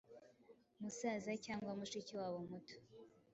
musaza cyangwa mushiki wabo muto.